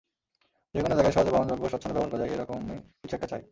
যেকোনো জায়গায় সহজে বহনযোগ্য, স্বচ্ছন্দে ব্যবহার করা যায়—এ রকমই কিছু একটা চাই।